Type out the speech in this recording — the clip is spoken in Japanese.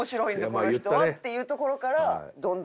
この人はっていうところから。